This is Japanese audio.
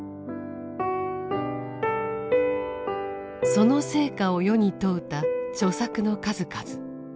その成果を世に問うた著作の数々。